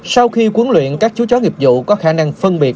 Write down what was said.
sau khi huấn luyện các chú chó nghiệp vụ có khả năng phân biệt